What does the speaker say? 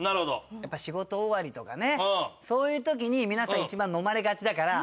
やっぱり仕事終わりとかねそういう時に皆さん一番飲まれがちだから。